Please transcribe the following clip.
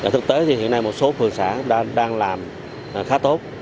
thực tế thì hiện nay một số phường xã đang làm khá tốt